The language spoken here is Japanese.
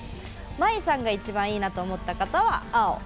まいさんが一番いいなと思った方は、青。